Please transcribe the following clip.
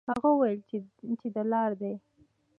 هغه وویل چې دلار دي.